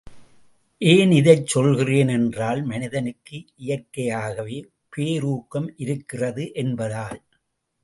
ஏன் இதைச் சொல்கிறேன் என்றால் மனிதனுக்கு இயற்கையாகவே போரூக்கம் இருக்கின்றது என்பதால்.